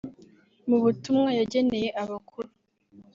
Mu butumwa yageneye abakuru